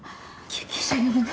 救急車呼ぶね